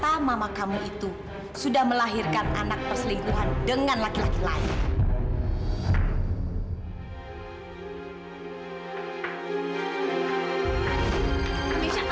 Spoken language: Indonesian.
aduh kak kak kak kak misha